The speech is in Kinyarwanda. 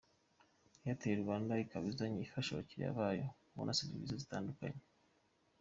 Airtel Rwanda ikaba izajya ifasha abakiriya bayo kubona serivisi zitandukanye.